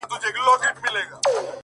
خدای په ژړا دی ـ خدای پرېشان دی ـ